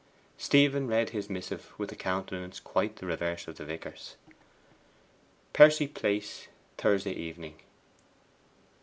Stephen read his missive with a countenance quite the reverse of the vicar's. 'PERCY PLACE, Thursday Evening.